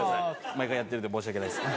毎回やってるんで申し訳ないです。